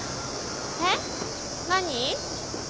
えっ？何？